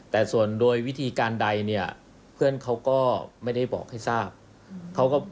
แต่ส่วนโดยวิธีการใดเนี่ยเพื่อนเขาก็ไม่ได้บอกให้ทราบเขาก็